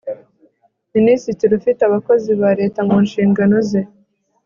minisitiri ufite abakozi ba leta mu nshingano ze